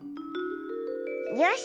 よし！